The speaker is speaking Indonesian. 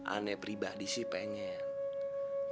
aneh pribadi sih pengen